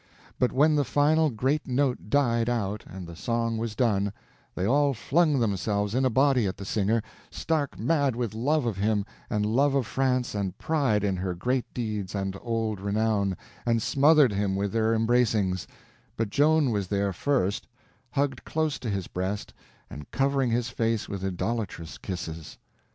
But when the final great note died out and the song was done, they all flung themselves in a body at the singer, stark mad with love of him and love of France and pride in her great deeds and old renown, and smothered him with their embracings; but Joan was there first, hugged close to his breast, and covering his face with idolatrous kisses.